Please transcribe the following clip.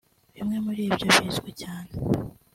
Bimwe muri byo bizwi cyane